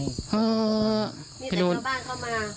มีใครเข้าบ้านเข้ามา